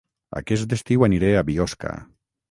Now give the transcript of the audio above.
Aquest estiu aniré a Biosca